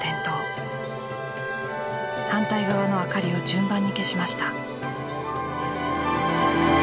反対側の明かりを順番に消しました。